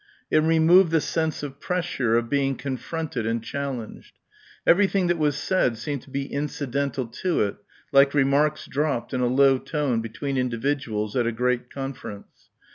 It removed the sense of pressure, of being confronted and challenged. Everything that was said seemed to be incidental to it, like remarks dropped in a low tone between individuals at a great conference.